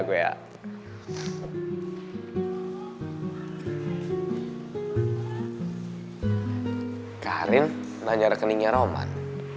karin nanya rekeningnya roman